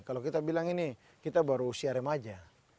kalau kita bilang ini kita baru usia remaja